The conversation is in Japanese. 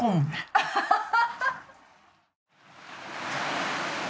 アハハハ！